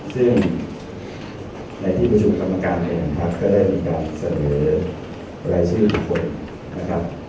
ซึ่งในที่ประชุมกรรมการเองพักก็ได้มีการเสนอรายชื่อทุกคนนะครับ